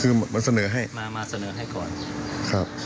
คือเหมือนเสนอให้มามาเสนอให้ก่อนครับ